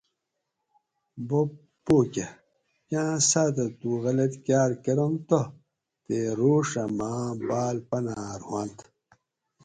بوب پو کہ: کاۤں ساتہ تو غلط کار کرنتہ تے روڛہ ماۤں باۤل پنار ہوانت